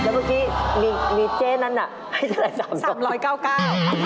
แล้วเมื่อกี้มีเจ๊นั่นน่ะให้เฉล่าย๓๙๙